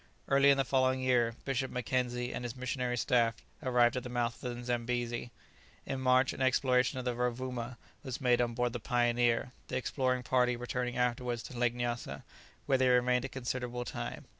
Early in the following year, Bishop Mackenzie and his missionary staff arrived at the mouth of the Zambesi. In March an exploration of the Rovouma was made on board the "Pioneer," the exploring party returning afterwards to Lake Nyassa, where they remained a considerable time.